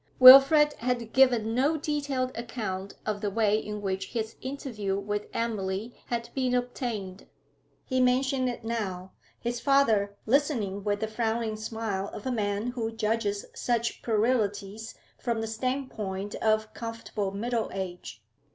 Wilfrid had given no detailed account of the way in which his interview with Emily had been obtained. He mentioned it now, his father listening with the frowning smile of a man who judges such puerilities from the standpoint of comfortable middle age.